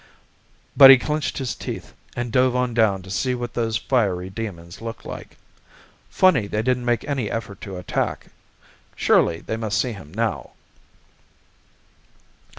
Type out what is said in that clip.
But he clenched his teeth, and dove on down to see what those fiery demons looked like. Funny they didn't make any effort to attack. Surely they must see him now.